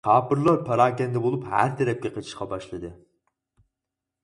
كاپىرلار پاراكەندە بولۇپ ھەر تەرەپكە قېچىشقا باشلىدى.